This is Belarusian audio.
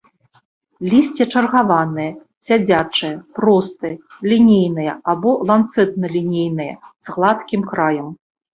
Лісце чаргаванае, сядзячае, простае, лінейнае або ланцэтна-лінейнае, з гладкім краем.